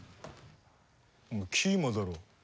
お前キーマだろ？